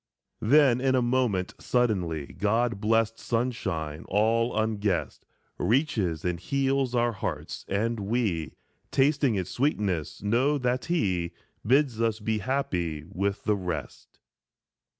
Then in a moment suddenly God's blessed sunshine, all unguessed, Reaches and heals our hearts, and we, Tasting its sweetness, know that he Bids us be happy with the rest.